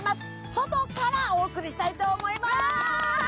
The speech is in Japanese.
外からお送りしたいと思います